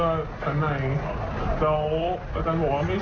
เนี่ยค่ะทีนี้ครูที่ก่อเหตุค่ะเขาก็ขอโทษนะคะ